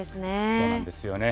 そうなんですよね。